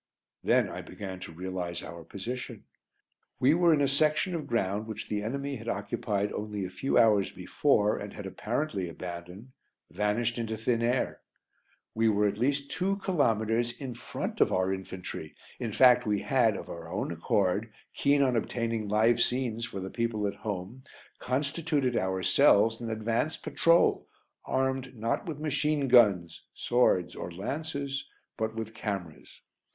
Then I began to realise our position. We were in a section of ground which the enemy had occupied only a few hours before and had apparently abandoned vanished into thin air! We were at least two kilometres in front of our infantry, in fact we had, of our own accord keen on obtaining live scenes for the people at home constituted ourselves an advance patrol, armed, not with machine guns, swords, or lances, but with cameras.